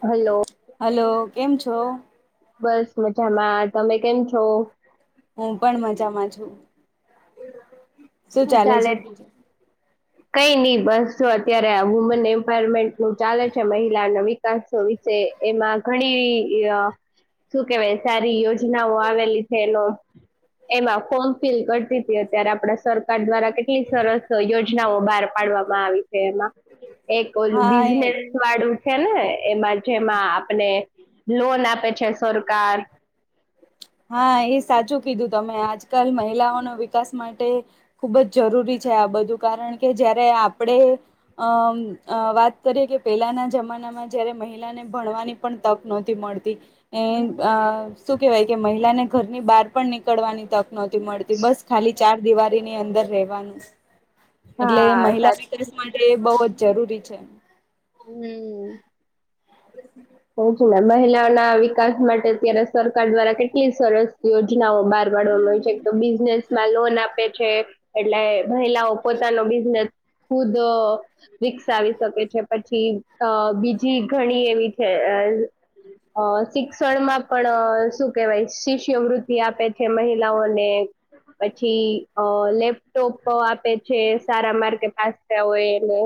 Hello. Hello કેમ છો? બસ મજામાં. તમે કેમ છો? હું પણ મજામાં છું શું ચાલે છે કઈ ની બસ જો અત્યારે વુમેન એમ્પાવરમેન્ટ નું ચાલે છે મહિલાનો વિકાસ ઓ વિશે એમાં ઘણી શું કેવાય સારી યોજનાઓ આવેલી છે એનો એમાં ફોર્મ ફિલ કરતી હતી અત્યારે આપડા સર કાર દ્વારા કેટલી સરસ યોજનાઓ બાર પાડવામાં આવી છે એમાં એક ઓલું હા એ બિઝનેસ વાળું છે ને એમાં જેમાં આપણે લોન આપે છે સરકાર હા એ સાચું કીધું તમે આજકાલ મહિલાઓનો વિકાસ માટે ખુબ જ જરૂરી છે આ બધું કારણ કે જયારે આપણે અમ અ વાત કરીએ કે પેલાના જમાના માં જ્યારે મહિલા ને ભણવાની પણ તક નોતી મળતી એ શું કેવાય કે મહિલા ને ઘરની બહાર પણ નીકળવાની તક નહોતી મળતી બસ ખાલી ચાર દિવારીની અંદર રહેવાનું એટલે હા મહિલા સાચું. વિકાસ માટે બવ જરૂરી છે. હમ્મ [inaudible] [unintelligible] ના મહિલાઓના વિકાસ માટે અત્યારે સરકાર દ્વારા કેટલી સરસ યોજનાઓ બહાર પાડવા હોય છે તો બિઝનેસમાં લોન આપે છે એટલે મહિલાઓ પોતાનો બિઝનેસ ખુદ વિકસાવી શકે છે પછી અ બીજી ઘણી એવી અ શિક્ષણમાં પણ શું કેવાય છે. શિષ્યવૃતિ આપે છે મહિલાઓને પછી અ લેપ ટોપ આપે છે સારા માર્કે પાસ થયા હોય એને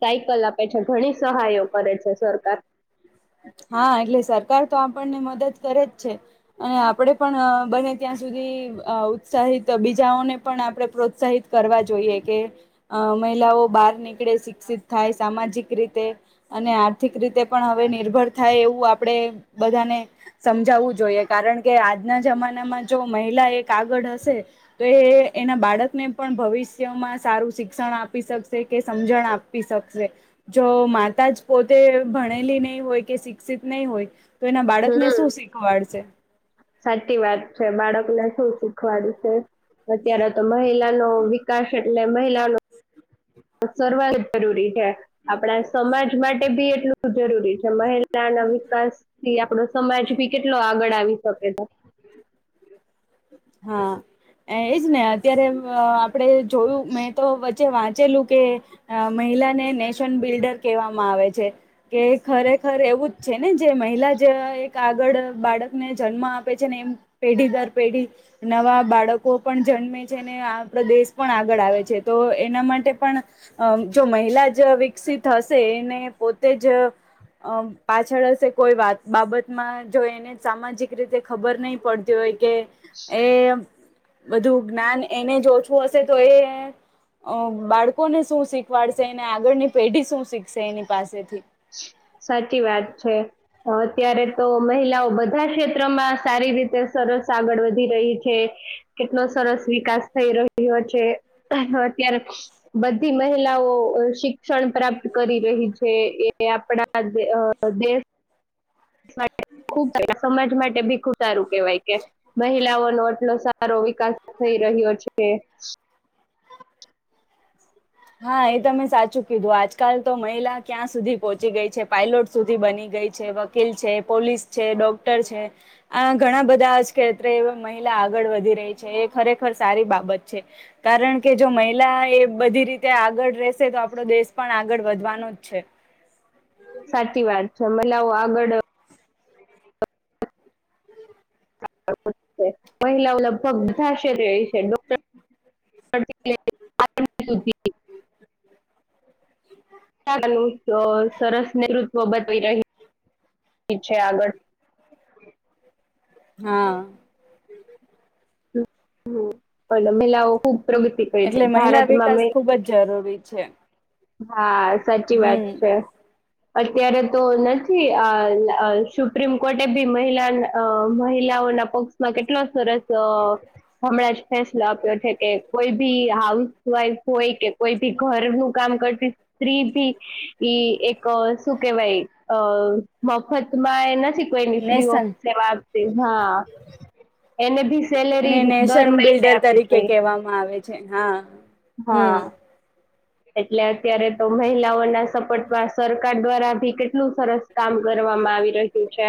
સાયકલ આપે છે ઘણી ની સહાયો કરે છે સરકાર હા એટલે સરકાર તો આપણને મદદ કરે જ છે અને આપડે પણ બને ત્યાં સુધી ઉત્સાહિત બીજાઓને પણ આપણે પ્રોત્સાહિત કરવા જોઈએ કે મહિલા ઓ બહાર નીકળે શિક્ષિત થાય સામાજિક રીતે અને આર્થિક રીતે પણ હવે નિર્ભર થાય એવું આપણે બધાને સમજાવવું જોઈએ કારણ કે આજના જમાનામાં જો મહિલા એક આગળ હશે તો એ એના બાળકને પણ ભવિષ્યમાં સારું શિક્ષણ આપી શક શે કે સમજણ આપી શકશે, જો માતા જ પોતે ભણેલી નહી હોય કે શિક્ષિત નહી હોય એના બાળકને હમ્મ, શું શીખવાડશે સાચી વાત છે બાળકને શું શીખવાડ છે, અત્યારે તો મહિલાનો વિકાસ એટલે મહિલાનો [unintelligible] જરૂરી છે. આપણા સમાજ માટે બી એટલું જરૂરી છે, મહિલા ના વિકાસથી આપડો સમાજ ભી કેટલો આગળ આવી શકે છે. [inaudible] હા એજ ને અત્યારે આપડે જોયું મેં તો વચ્ચે વાં ચેલું કે મહિલાને નેશન બિલ્ડર કહેવામાં આવે છે કે, ખરેખર એવુંજ છે ને જે મહિલા જે એક આગળ બાળકને જન્મ આપે છે, ને એમ પેઢી દર પેઢી નવા બાળકો પણ જન્મે છે ને આ પ્રદેશ પણ આગળ આવે છે તો એના માટે પણ અમ જો મહિલા જ વિકસિત હશે એને પોતે જ અ પાછળ હશે કોઈ વાત બાબતમાં જો એને સામાજિક રીતે ખબર નહી પડતી હોય કે એ બધું જ્ઞાન એને જો ઓછું હશે તો એ અ બાળકોને શું શીખવાડશે એને આગળની પેઢી શું શીખશે એની પાસેથી? સાચી વાત છે. અત્યારે તો મહિલાઓ બધા ક્ષેત્રમાં સારી રીતે સરસ આગળ વધી રહી છે. કેટલો સરસ વિકાસ થઈ રહ્યો છે, અત્યારે બધી મહિલા શિક્ષણ પ્રાપ્ત કરી રહી છે એ આપણા દેશ ખુબ સમાજ માટે ભી ખૂબ સારું કેવાય કે, મહિલાઓ નો એટલો સારો વિકાસ થઈ રહ્યો છે. હા એ તમે સાચું કીધું આજકાલ તો મહિલા ક્યાં સુધી પહોંચી ગઈ છે પાયલોટ સુધી બની છે વકીલ છે પોલીસ છે ડોક્ટર છે, આ ઘણા બધાજ અત્ર મહિલા આગળ વધી રહી છે એ ખરેખર સારી બાબત છે, કારણ કે જો મહિલા એ બધી રીતે ત્યાં આગળ રેશે તો આપડો દેશ પણ આગળ વધવાનો જ છે. સાચી વાત છે મલાવ આગળ મહિલાઓ લગભગ બધા શર છે ડોક્ટર [unintelligible] ન સરસ નેતૃત્વ બતાવી રહી ઠી છે આગળ હા. [unintelligible] અને મહિલાઓ ખુબ પ્રગતિ કરી છે એટલે મહિલા ભારતમાં વિકાસ અ ખુબ જ જરૂરી છે હા સાચી વાત હમ છે. અત્યારે તો નથી આ સુપ્રીમ કોર્ટે બી મહિલા અ મહિલાઓના પક્ષમાં કેટલો સરસ હમણાં જ ફેસલો આપ્યો છે કે કોઈ બી હાઉસવાઈફ હોય કે કોઈ ભી ઘરનું કામ કરતી સ્ત્રી ભી, ઈ એક શું કેહેવાય અ મફતમાં એ નથી કોઈ ફ્રીઓફ નેશન સેવા આપતી હાન, એને ભ એને સેલેરી દર નેશન મહિને બિલ્ડર આપવી તરીકે જોઈ, કહેવામાં આવે છે હા હમ હા. એટલે અત્યારે તો મહિલાઓના સપોર્ટમાં સરકાર દ્વારા ભી કેટલું સરસ કામ કરવામાં આવી રહ્યું છે.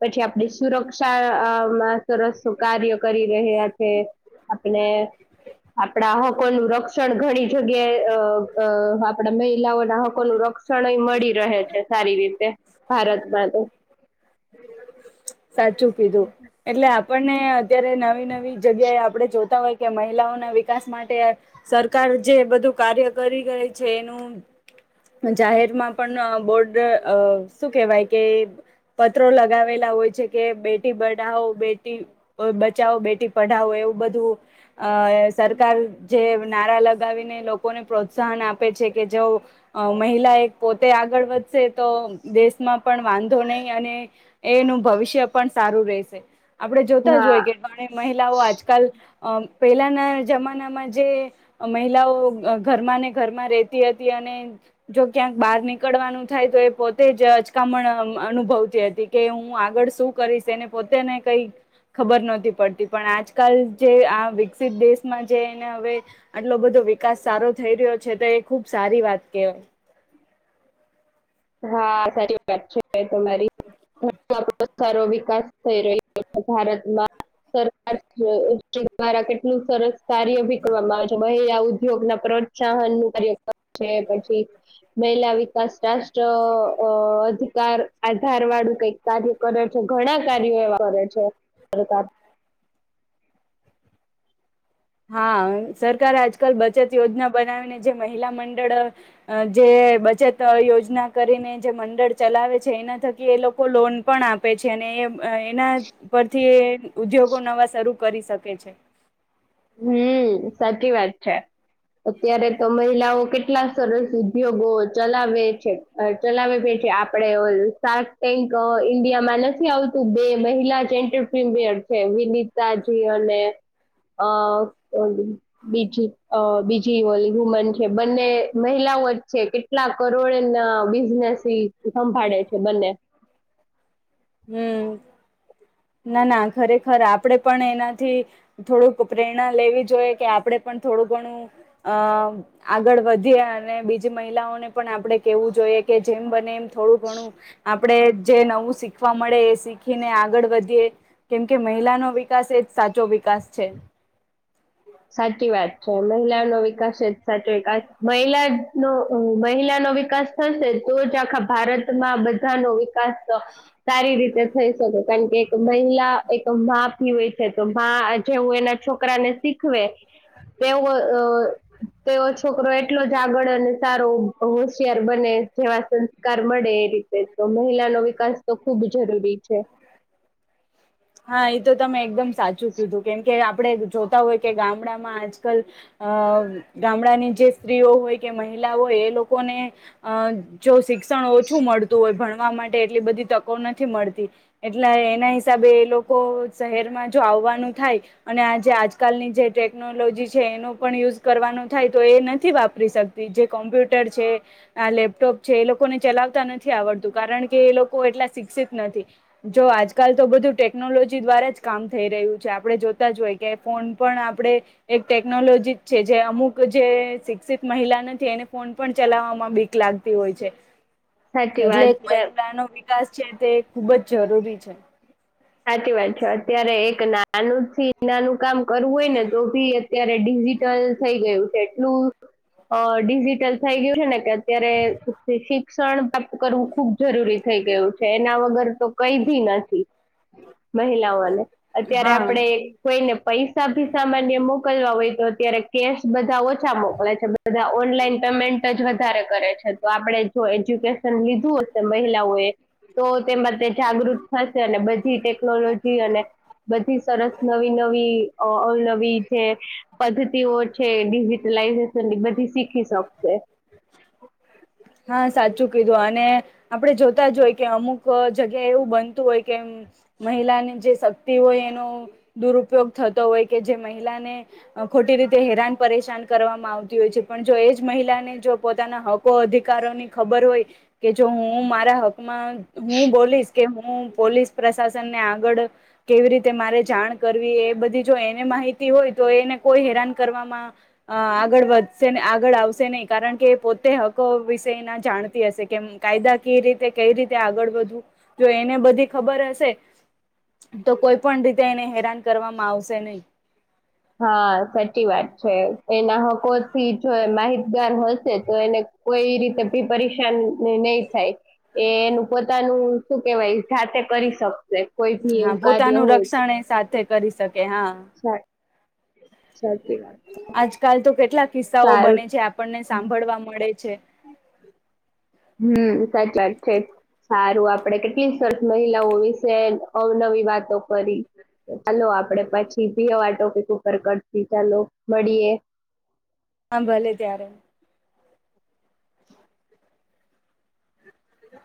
પછી આપડી સુરક્ષામાં સરસ કાર્ય કરી રહ્યા છે. આપણે, આપણા હકો નું રક્ષણ ઘણી જગ્યાએ અ અ આપડા મહિલાઓના હકો નું રક્ષણ મળી રહે છે સારી રીતે. ભારતમાં તો. સાચું કીધું, એટલે આપને અત્યારે નવી નવી જગ્યાએ આપણે જોતા હોય કે મહિલાઓના વિકાસ માટે, સરકાર જે બધું કાર્ય કરી રય છે એનું જાહેરમાં પણ બોર્ડ અ શું કેહેવાય કે પત્રો લગાવેલા હોય કે બેટી બના બેટી બચો બેટી પઢાવો એવું બધું, સરકાર જે નારા લગાવીને લોકોને પ્રોત્સાહન આપે છે કે જે, મહિ મહલા એક પોતે આગળ વધશે તો દેશમાં પણ વાંધો નહી અને, એનું ભવિષ્ય વિષ્ય પણ સારું રહેશે, આપણે જોતા હા જોઈએ કેણી મહિલાઓ આજકાલ અ પહેલાના જમાનામાં જે મહિલાઓ ઘરમાં ને ઘરમાં રહેતી હતી જો ક્યાંક બાર નીકળવાનું થાય તો એ પોતે જ અચકામણ અનુભવતી હતી કે હું આગળ શું કરીશ અને પોતે ને કઈ ખબર નહતી પડતી પણ આજકાલ જે આ વિકસિત દેશમાં જે એને હવે, આટલો બધો વિકાસ સારો થઈ રહ્યો છે તો એ ખુબ સારી વાત કેવાય. હા સાચી વાત છે તમારી સારો વિકાસ થઈ રહ્યો છે ભારતમાં. સરકાર દ્વારા કેટલું સરસ કાર્ય ભી કરવામાં આવે છે બે હજાર આ ઉદ્યોગ ના પ્રોત્સાહનનુ [unintelligible] છે પછી મહિલા વિકાસ રાષ્ટ ટ્ર અ અધિકાર આધાર વાળું કઈક કાર્ય કરે છે, ઘણા કાર્યો એવા કરે છે [unintelligible] હા સરકાર આજકાલ બચત યોજના બનાવીને જે મહિલા મંડળ અ જે બચત યોજના કરીને જે મંડળ ચાલ લાવે છે એના થકી એ લોકો લોન પણ આપે છે અને એ એના પરથી ઉદ્યોગો નવા શરૂ કરી શકે છે હમ સાચી વાત છે, અત્યારે તો મહિલાઓ કેટલા સરસ ઉદ્યોગો ચલાવે છે અ ચલાવે ભી છે આપડે ઓલસાટેક અ ઇન્ડિયામાં નથી આવતું બે મહિલા જ એન્ટરપિમિયર છે વિનિતાજી અને અ બીજી અ બીજી ઓલી વુમન છે બંને મહિલાઓ જ છે, કેટલા કરોડના બિઝનેસ ઈ સંભાળે છે ને હમ ના ના ખરેખર આપડે પણ એનાથી થોડુંક પ્રેરણા લેવી જોઈએ કે આપડે પણ થોડું ઘણું અમ આગળ વધીએ અને બીજી મહિલાઓને પણ આપડે કેવું જો ઈએ કે જેમ બને એમ થોડું ઘણું આપણે જે નવું શીખ ખવા મળે એ શીખીને આગળ વધીએ કેમ કે મહિલાનો વિકાસ એજ સાચો વિકાસ છે સાચી વાત છે, મહિલાનો વિકાસ એ જ સાચો વિકાસ મહિલાનો અ મહિલાનો તો વિકાસ થશે તો જ આખા ભારતમાં બધા નો વિકાસ સારી રીતે થઈ શ કે કારણ કે એક મહિલા એક મા ભી હોય છે તો મા જેવું એના છોકરા ને શીખવે તેવો અ તેવો છોકરો એટલો જ આગળ અને સારો હોશિયાર બને જેવા સંસ્કાર મળે એ રીતે તો મહિલાનો વિકાસ તો ખુબ જરૂરી છે, હા એ તો તમે એકદમ સાચું કીધું કેમ કે આપ પણે જોતા હોય કે ગામડામાં આજકાલ અ ગામડાની જે સ્ત્રીઓ હોય કે મહિ લા હોય એ લોકોને અ જો શિક ક્ષણ ઓછું મળતું હોય ભણવા માટે એટલી બધી તકો નથી મળતી એટલે એના હિસાબે લોકો શહેરમાં જો આવવાનું થાય અને આજે આજકાલની જે ટેકનોલોજી છે એનો પણ યુઝ કરવાનું થાય તો એ નથી વાપરી શકતી જે કોમ્પ્યુટર છે આ લેપટોપ છે એ લોકો ને ચલાવતા નથી આવડતું કારણ કે એ લોકો એટલા શિક્ષિત નથી જો આજકાલ તો બધું ટે કનોલોજી દ્વારા જ કામ થઈ રહ્યું છે આપણે જોતા જ હોય કે ફોન પણ આપણે એક ટેકનોલોજી છે જે અમુક જે શિક્ષિત મહિલા નથી એને ફોન પણ ચલાવવામાં બીક લાગતી હોય છે, સાચી એટલે વાત એક છે મહિલાનો વિકાસ છે તે ખુબ જ જરૂરી છે, સાચી વાત છે અત્યારે એક નાનું થી નાનું કામ કરવું હોય ને તો ભી અત્યારે ડિજિટલ થઈ ગયું છે એટલું અ ડિજિટલ થઈ ગયું છે ને કે અત્યારે શિક્ષણ પ્રાપ્ત કરવું ખુબ જરૂરી થઈ ગયું છે એના વગર તો કઈ ભી નથી મહિલાઓને અત્યારે હા આપણે કોઈ ને પૈસા ભી સામાન્ય મોકલવા હોય તો અત્યારે કેશ બધા ઓછા મોકલે છે બધા ઓન લાઈન પેમેન્ટ જ વધારે કરે છે તો આપણે જો એજ્યુકેશ શન લીધું હશે મહિલાઓ એ તો તે માટે જાગૃત થશે અને બધ ધી ટેકનોલોજી અને બધી સરસ નવી નવી અ અવનવી જે પદ્ધ તીઓ છે ડિજિટલાઈઝેશન બધી શીખી શકશે હા સાચું કીધું અને આપડે જો તા જ હોય કે અમુક જગ્યા એવું બનતું હોય કે મહિલાની જે શક્તિ હોય એનો દુરુપયોગ થતો હોય કે જે મહિલાને ખોટી રીતે હેરાન પરેશાન કરવામાં આવતી હોય છે, પણ જો એ જ મહિલાને જો પોતાના હકો અધિક ની ખબર હોય કે જો હું મારા હકમાં હું બોલીશ. કે હું પોલીસ પ્રશાસન ને આગળ કેવી રીતે મારે જાણ કરવી એ બધી જો એને માહિતી હોય તો એને કોઈ હેરાન કરવામાં આગળ વધશે આગળ આવશે નહી કારણ કે પોતે હકો જાણતી હશે કેમ કાયદા ક રીતે કઈ રીતે આગળ વધવું જો એને બધી ખબર હશે. તો કોઈ પણ રીતે એને હેરાન કરવામાં આવશે નહી. હા સાચી વાત છે, એના હકો. કોઈ રીતે ભી પરેશાન નહી થાય એ એનું પોતાનું શું કેવાય. જાતે કરી શકશે કોઈ ભી હા એવું કાર્ય પોતાનું હોય. રક્ષણ એ સાથે કરી શકે હા [unintelligible] સાચી વાત. આજકાલ તો કેટલા કિસ્સાઓ સારું બને છે, આપણને સાંભળવા મળે છે. હમ [unintelligible] છે, જ સારું આપડે કેટલી સરસ મહિલાઓ વિશે અવનવી વાતો કરી. ચાલો આપડે પછી ભી હવા ટોપિક ઉપર કરતી ચાલો મળીએ. હા ભલે ત્યારે. [unintelligible]